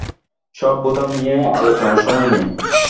সব বোতাম নিয়ে আলোচনার সময় নেই।